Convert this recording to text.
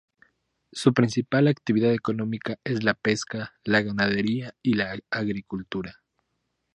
Su principal actividad económica es la pesca, la ganadería y la agricultura.